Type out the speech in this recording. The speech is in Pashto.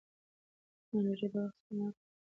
ټیکنالوژي د وخت سپما کوي.